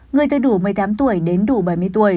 người từ đủ một mươi tám tuổi đến đủ bảy mươi tuổi